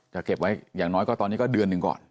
จะเก็บไว้อย่างน้อยก็ตอนนี้ก็เดือนหนึ่งก่อน